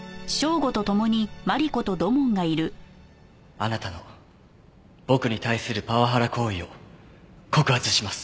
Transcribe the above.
あなたの僕に対するパワハラ行為を告発します。